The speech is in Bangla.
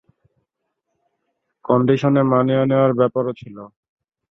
কন্ডিশনে মানিয়ে নেওয়ার ব্যাপারও ছিল।